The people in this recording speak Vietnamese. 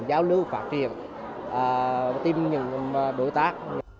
giao lưu phát triển tìm những đối tác